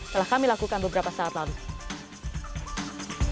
telah kami lakukan beberapa saat lalu